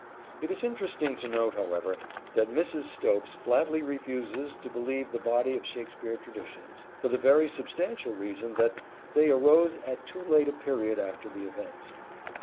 It is interesting to note, however, that Mrs Stopes flatly refuses to believe the body of Shakespeare traditions, for the very substantial reason that they arose at too late a period after the events.